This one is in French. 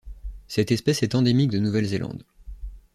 Cette espèce est endémique de Nouvelle-Zélande.